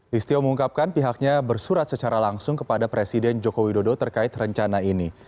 listio mengungkapkan pihaknya bersurat secara langsung kepada presiden joko widodo terkait rencana ini